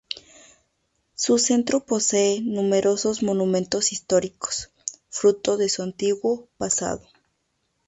Su centro posee numerosos monumentos históricos, fruto de su antiguo pasado.